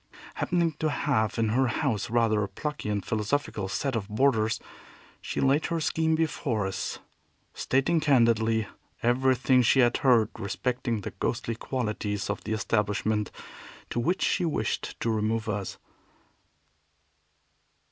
Happening to have in her house rather a plucky and philosophical set of boarders, she laid her scheme before us, stating candidly everything she had heard respecting the ghostly qualities of the establishment to which she wished to remove us.